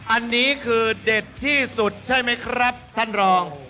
อันนี้คือเด็ดที่สุดใช่ไหมครับท่านรอง